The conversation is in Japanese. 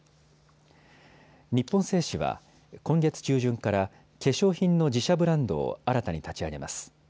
日本製紙は今月中旬から化粧品の自社ブランドを新たに立ち上げます。